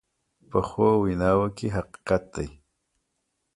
پخو ویناوو کې حقیقت وي